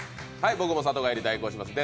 僕も里帰り代行します。